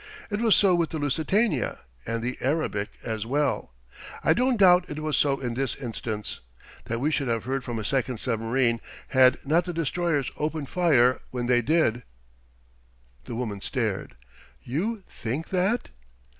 It was so with the Lusitania, with the Arabic as well; I don't doubt it was so in this instance that we should have heard from a second submarine had not the destroyers opened fire when they did." The woman stared. "You think that